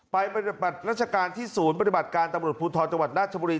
ปฏิบัติราชการที่ศูนย์ปฏิบัติการตำรวจภูทรจังหวัดราชบุรี